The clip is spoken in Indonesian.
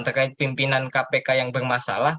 terkait pimpinan kpk yang bermasalah